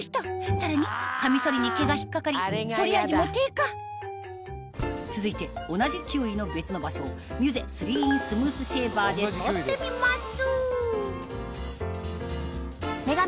さらにカミソリに毛が引っ掛かり剃り味も低下続いて同じキウイの別の場所をミュゼ３ｉｎスムースシェーバーで剃ってみます